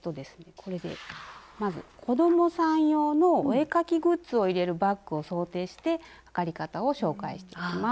これでまず子どもさん用のお絵描きグッズを入れるバッグを想定して測り方を紹介していきます。